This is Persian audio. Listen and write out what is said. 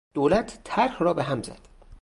دولت طرح را به هم زد.